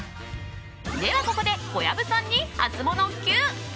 では、ここで小籔さんにハツモノＱ！